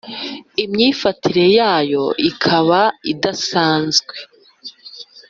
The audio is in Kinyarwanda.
imyifatire yayo ikaba idasanzwe.